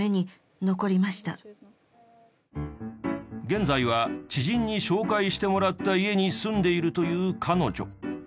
現在は知人に紹介してもらった家に住んでいるという彼女。